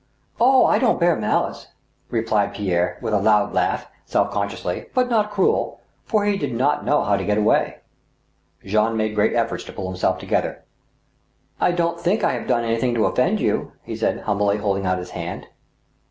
" Oh, I don't bear malice," replied Pierre, with a loud laugh, self conscious* but not cruel, for he did not know how to get away. Jean made great efforts to pull himself together. I don't think I have done anything to offend you," he said, hum bly, holding out his hand.